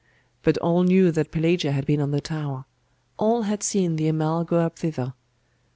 But all knew that Pelagia had been on the tower; all had seen the Amal go up thither.